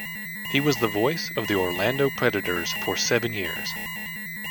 He was the voice of the Orlando Predators for seven years.